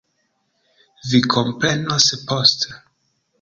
Vi komprenos poste.